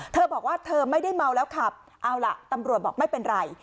เธอบอกว่าเธอไม่ได้เมาแล้วขับเอาล่ะตำรวจบอกไม่เป็นไร